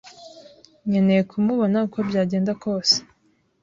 nkeneye kumubona uko byagenda kose.